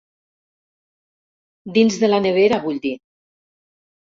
Dins de la nevera, vull dir.